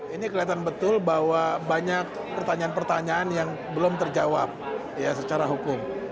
ini kelihatan betul bahwa banyak pertanyaan pertanyaan yang belum terjawab secara hukum